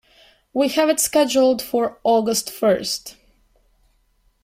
We have it scheduled for August first.